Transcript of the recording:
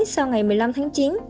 sau ngày một mươi năm tháng chín